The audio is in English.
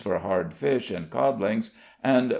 for hard fish and codlings, and 4d.